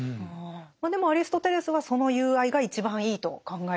でもアリストテレスはその友愛が一番いいと考えてはいたんですもんね。